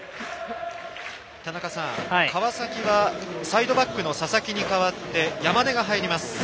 田中さん、川崎はサイドバックの佐々木に代わって山根が入ります。